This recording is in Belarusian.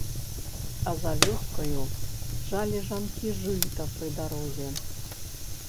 А за вёскаю жалі жанкі жыта пры дарозе.